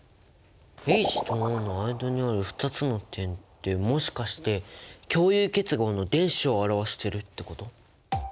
ＨとＯの間にある２つの点ってもしかして共有結合の電子を表してるってこと？